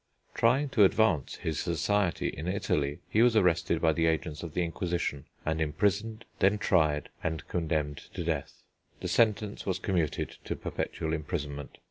Trying to advance his society in Italy he was arrested by the agents of the Inquisition, and imprisoned, then tried, and condemned to death. The sentence was commuted to perpetual imprisonment.